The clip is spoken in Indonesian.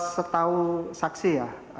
setahu saksi ya